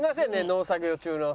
農作業中の。